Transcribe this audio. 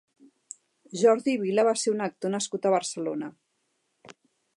Jordi Vila va ser un actor nascut a Barcelona.